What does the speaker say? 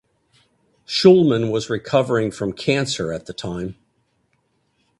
Shulman was recovering from cancer at the time.